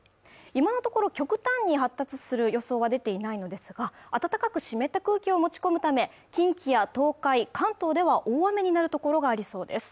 今のところ極端に発達する予想は出ていないのですが暖かく湿った空気を持ち込むため近畿や東海、関東では大雨になる所がありそうです